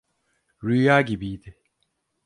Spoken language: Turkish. Rüya gibiydi.